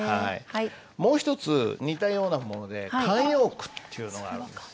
もう一つ似たようなもので慣用句っていうのがあります。